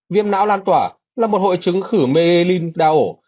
viêm não lan tỏa là một hội chứng khử mê linh đao ổ